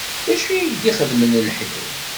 Dacu i ak-d-ixeddmen lḥir?